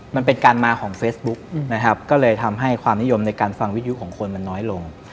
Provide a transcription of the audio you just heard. มันเป็นการมาของเฟซบุ๊กนะครับก็เลยทำให้ความนิยมในการฟังวิทยุของคนมันน้อยลง